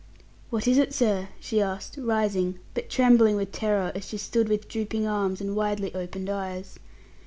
"What is it, sir?" she asked, rising, but trembling with terror, as she stood with drooping arms and widely opened eyes.